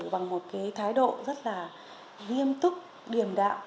bằng một cái thái độ rất là nghiêm túc điềm đạo